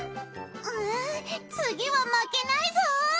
うつぎはまけないぞ！